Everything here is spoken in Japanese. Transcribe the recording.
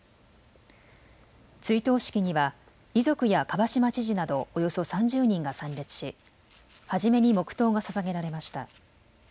追悼式には遺族や蒲島知事などおよそ３０人が参列し初めに黙とうがささげられました。